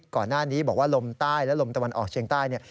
ก่อนหน้านี้บอกว่าลมใต้และลมตะวันออกเชียงใต้เนี่ย